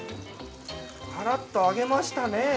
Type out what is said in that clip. カラッと揚げましたね。